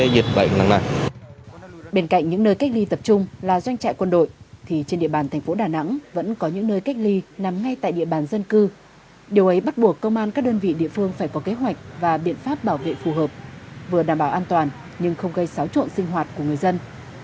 điều ấy bắt buộc công an các đơn vị địa phương phải có kế hoạch và biện pháp bảo vệ phù hợp vừa đảm bảo an toàn nhưng không gây xáo trộn sinh hoạt của người dân